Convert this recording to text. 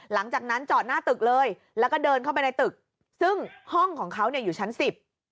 หลังจากนั้นจอดหน้าตึกเลยแล้วก็เดินเข้าไปในตึกซึ่งห้องของเขาเนี่ยอยู่ชั้นสิบ